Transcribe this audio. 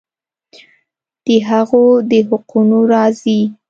د ښځو د حقونو راځي.